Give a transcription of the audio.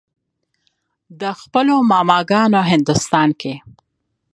د خپلو ماما ګانو هندوستان کښې